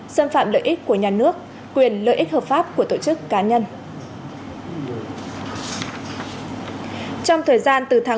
xâm phạm lợi ích của nhà nước quyền lợi ích hợp pháp của tổ chức cá nhân